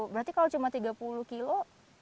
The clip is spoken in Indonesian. berarti kalau cuma tiga puluh kilo